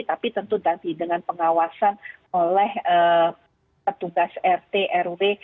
tapi tentu tadi dengan pengawasan oleh petugas rt rw